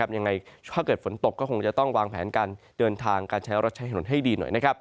ยังไงถ้าเกิดฝนตกก็คงจะต้องวางแผนการเดินทางการใช้รถใช้ถนนให้ดีหน่อย